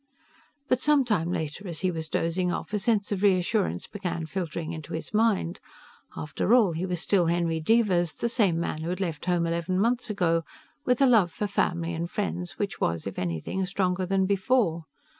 But sometime later, as he was dozing off, a sense of reassurance began filtering into his mind. After all, he was still Henry Devers, the same man who had left home eleven months ago, with a love for family and friends which was, if anything, stronger than before.